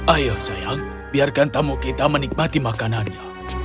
ayo sayang biarkan tamu kita menikmati makanannya